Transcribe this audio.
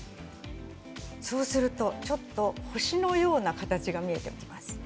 そうするとちょっと星のような形が見えてきます。